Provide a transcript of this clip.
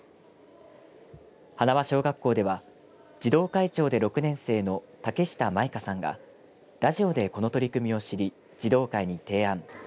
花輪小学校では児童会長で６年生の竹下苺花さんがラジオでこの取り組みを知り児童会に提案。